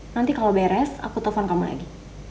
nanti kalau beres aku telpon kamu lagi